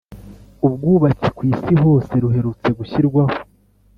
Ubwubatsi ku Isi Hose ruherutse gushyirwaho